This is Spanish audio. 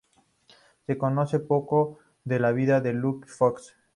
Se conoce poco de la vida de Luke Fox.